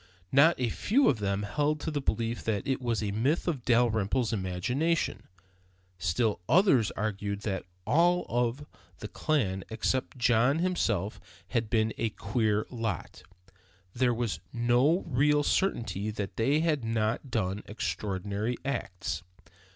Not a few of them held to the belief that it was a myth of Dalrymple's imagination. Still, others argued, all of the clan except John himself had been a queer lot; there was no real certainty that they had not done extraordinary acts.